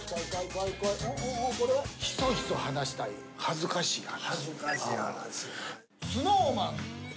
ひそひそ話したい恥ずかしい話。